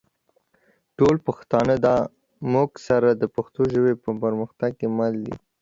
ټول پښتانه دا مونږ سره د پښتو ژبې په پرمختګ کې مل دي